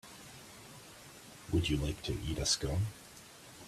Would you like to eat a Scone?